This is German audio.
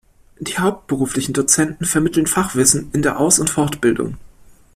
Die hauptberuflichen Dozenten vermitteln Fachwissen in der Aus- und Fortbildung.